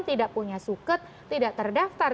tidak punya suket tidak terdaftar